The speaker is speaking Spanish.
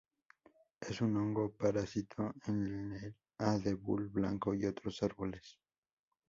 Es un hongo parásito en el abedul blanco y otros árboles.